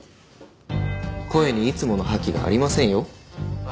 声にいつもの覇気がありませんよ。